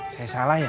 saya salah ya